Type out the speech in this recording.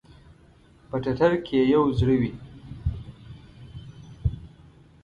په ټټر کې ئې یو زړه وی